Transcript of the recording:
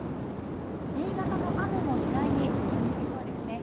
新潟の雨も次第にやんできそうですね。